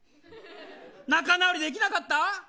仲直りできなかった。